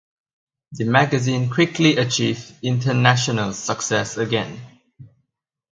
The magazine quickly achieved international success again.